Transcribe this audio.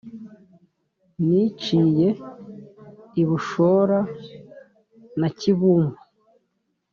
Niciye i Bushora na Kibumbu,